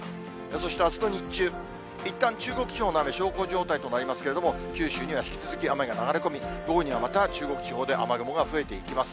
そしてあすの日中、いったん中国地方の雨、小康状態となりますけれども、九州には引き続き、雨が流れ込み、午後にはまた中国地方で雨雲が増えていきます。